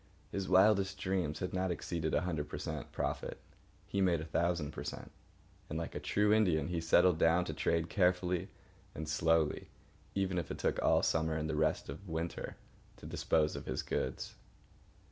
His wildest dreams had not exceeded a hundred per cent. profit; he made a thousand per cent. And like a true Indian, he settled down to trade carefully and slowly, even if it took all summer and the rest of the winter to dispose of his goods.